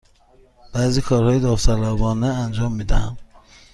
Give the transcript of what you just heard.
بعضی کارهای داوطلبانه انجام می دهم.